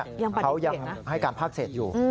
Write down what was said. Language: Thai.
เขายังให้การพักเสร็จอยู่